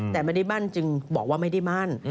แต่ไม่ได้มั่นจึงบอกว่าไม่ได้มั่น